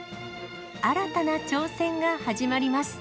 新たな挑戦が始まります。